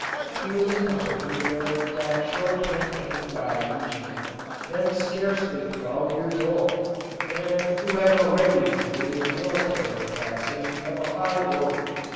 He was accompanied during that short campaign by Eugene, then scarcely twelve years old, and who had already exhibited military capacity of a high order.